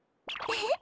えっ！？